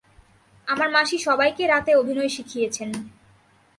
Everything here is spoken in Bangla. আমার মাসি সবাইকে রাতে অভিনয় শিখিয়েছেন।